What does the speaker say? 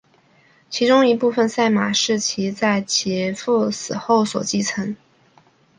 其中一部分赛马是其在其父死后所继承。